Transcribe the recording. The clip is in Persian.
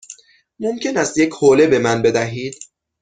ممکن است یک حوله به من بدهید؟